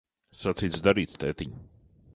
Sacīts, darīts, tētiņ.